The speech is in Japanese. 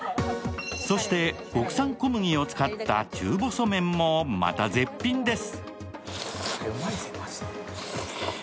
そして国産小麦を使った中細麺も、また絶品です。